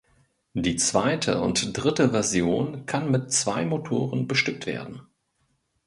Die zweite und dritte Version kann mit zwei Motoren bestückt werden.